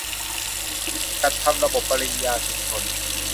จัดทำระบบปริญญาชุมชน